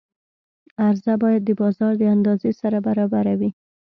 عرضه باید د بازار د اندازې سره برابره وي.